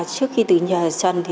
trước khi từ nhờ trần